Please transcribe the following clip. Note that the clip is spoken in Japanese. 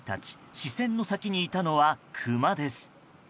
視線の先にいたのはクマです。